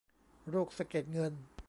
โรคสะเก็ดเงิน